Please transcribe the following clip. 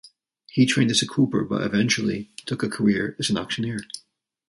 He trained as a cooper but eventually took a career as an auctioneer.